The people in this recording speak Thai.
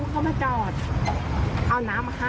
เขามาจอดเอาน้ำมาให้